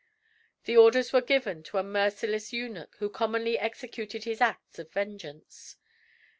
The orders were given to a merciless eunuch, who commonly executed his acts of vengeance.